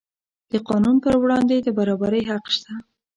د قانون پر وړاندې د برابرۍ حق شته.